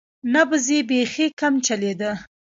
نبض یې بیخي کم چلیده.